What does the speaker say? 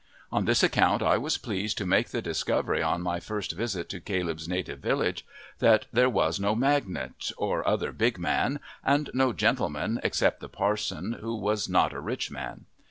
On this account I was pleased to make the discovery on my first visit to Caleb's native village that there was no magnate, or other big man, and no gentleman except the parson, who was not a rich man.